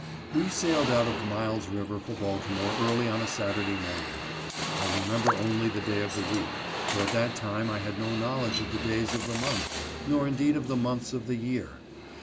We sailed out of Miles River for Baltimore early on a Saturday morning. I remember only the day of the week, for at that time I had no knowledge of the days of the month, nor indeed of the months of the year.